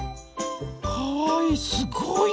かわいいすごいね。